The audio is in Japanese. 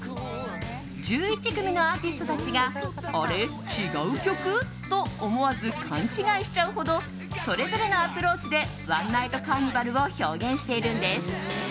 １１組のアーティストたちがあれ、違う曲？と思わず勘違いしちゃうほどそれぞれのアプローチで「ＯｎｅＮｉｇｈｔＣａｒｎｉｖａｌ」を表現しているんです。